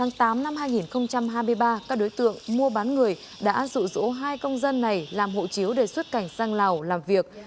năm hai nghìn hai mươi ba các đối tượng mua bán người đã dụ dỗ hai công dân này làm hộ chiếu để xuất cảnh sang lào làm việc